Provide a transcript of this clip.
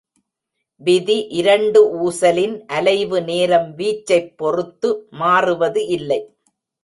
விதி இரண்டு ஊசலின் அலைவு நேரம் வீச்சைப் பொறுத்து மாறுவது இல்லை.